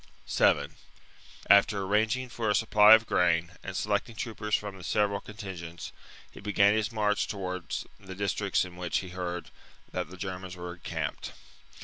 7. After arranging for a supply of grain and selecting troopers from the several contingents, he began his march towards the districts in which he heard that the Germans were encamped.